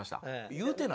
言うてない。